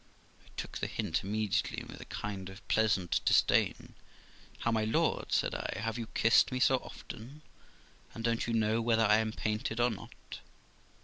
I took the hint immediately, and with a kind of pleasant disdain, 'How, my lord', said I, 'have you kissed me so often, and don't you know whether I am painted or not?